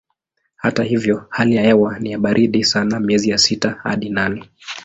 Hata hivyo hali ya hewa ni ya baridi sana miezi ya sita hadi nane.